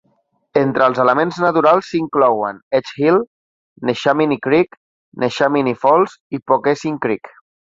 Entre els elements naturals s"inclouen Edge Hill, Neshaminy Creek, Neshaminy Falls i Poquessing Creek.